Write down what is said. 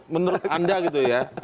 menurut anda gitu ya